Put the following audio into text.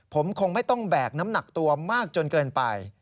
ผมคงไม่ต้องแบกน้ำหนักตัวมากจนเกินไป